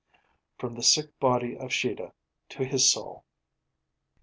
'From the sick body of Shida to his Soul.'